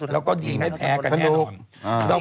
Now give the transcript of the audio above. แล้วก็ดีไม่แพ้กันแน่นอน